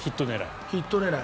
ヒット狙い。